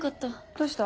どうした？